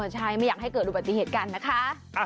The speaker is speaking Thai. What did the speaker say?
ใช่ไม่อยากให้เกิดอุบัติเหตุกันนะคะ